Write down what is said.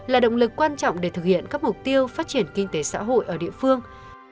là động lực quan trọng để thực hiện các mục tiêu phát triển kinh tế xã hội ở địa phương